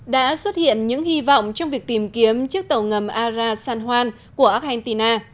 đã xuất hiện những hy vọng trong việc tìm kiếm chiếc tàu ngầm ara san juan của argentina